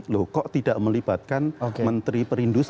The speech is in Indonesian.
loh kok tidak melibatkan menteri perindustrian